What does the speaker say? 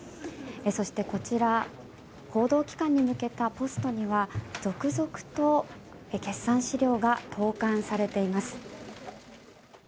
そして、こちら報道機関に向けたポストには続々と決算資料が投函されています。